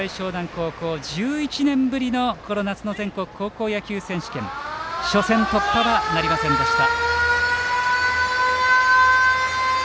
高校１１年ぶりのこの夏の全国高校野球選手権初戦突破はなりませんでした。